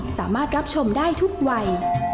สามารถรับชมได้ทุกวัย